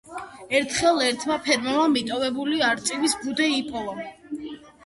ერთხელ ერთმა ფერმერმა მიტოვებული არწივის ბუდე იპოვა.